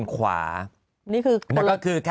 แป๊บ